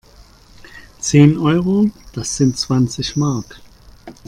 Zehn Euro? Das sind zwanzig Mark!